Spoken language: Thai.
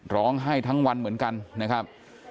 ร้องไห้ทั้งวันเหมือนกันนะครับ